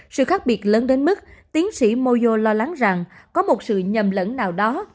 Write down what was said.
sự khác biệt lớn đến mức tiến sĩ mozo lo lắng rằng có một sự nhầm lẫn nào đó